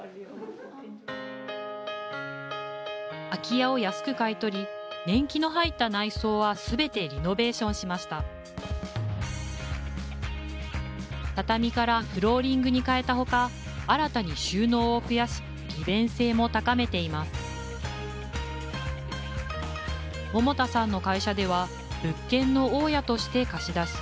空き家を安く買い取り年季の入った内装は全てリノベーションしました畳からフローリングに変えたほか新たに収納を増やし利便性も高めています桃田さんの会社では物件の大家として貸し出し